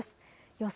予想